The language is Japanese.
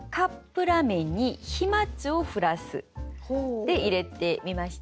で入れてみました。